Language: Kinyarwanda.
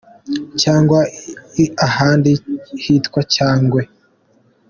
Cyangwa ahandi hitwa Cyagwe